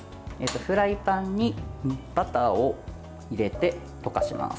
フライパンにバターを入れて溶かします。